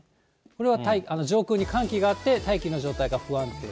これは上空に寒気があって、大気の状態が不安定。